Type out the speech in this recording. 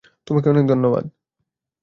তোমাকে অনেক ধন্যবাদ।